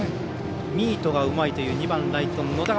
ミートがうまいという２番ライト、野田。